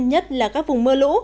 nhất là các vùng mưa lũ